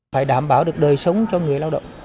phải đảm bảo được đời sống cho người lao động